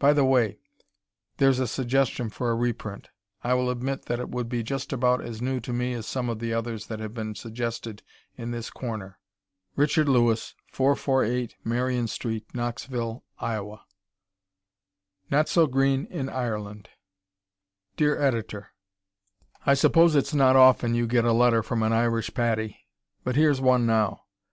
By the way, there's a suggestion for a reprint. I will admit that it would be just about as new to me as some of the others that have been suggested in this "Corner." Richard Lewis, 448 Marion St., Knoxville, Iowa. Not So "Green" in Ireland Dear Editor: I suppose it's not often you get a letter from an Irish "Paddy," but here's one now.